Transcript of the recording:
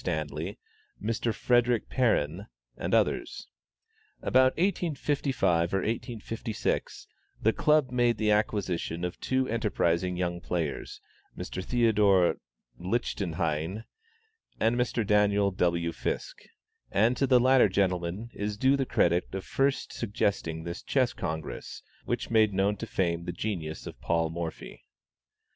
Stanley, Mr. Frederick Perrin, and others. About 1855 or 1856, the Club made the acquisition of two enterprising young players, Mr. Theodore Lichtenhein and Mr. Daniel W. Fiske; and to the latter gentleman is due the credit of first suggesting this Chess Congress, which made known to fame the genius of Paul Morphy.